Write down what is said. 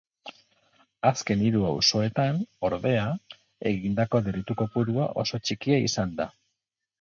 Azken hiru auzoetan, ordea, egindako delitu-kopurua oso txikia izan da.